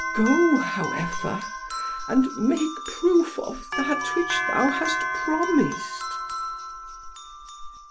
"Go, however, and make proof of that which thou hast promised."